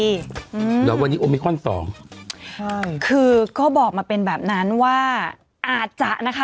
อืมแล้ววันนี้โอมิคอนสองใช่คือก็บอกมาเป็นแบบนั้นว่าอาจจะนะคะ